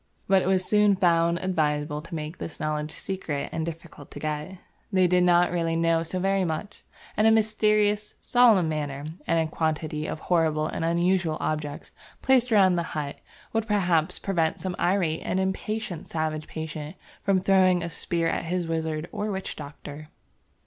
But it was soon found advisable to make this knowledge secret and difficult to get. They did not really know so very much, and a mysterious, solemn manner and a quantity of horrible and unusual objects placed about the hut would perhaps prevent some irate and impatient savage patient from throwing a spear at his wizard or witch doctor.